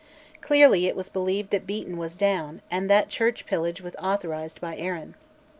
Clearly it was believed that Beaton was down, and that church pillage was authorised by Arran.